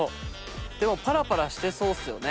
でもパラパラしてそうっすよね？